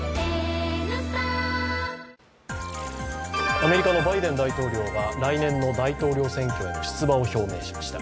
アメリカのバイデン大統領が来年の大統領選挙への出馬を表明しました。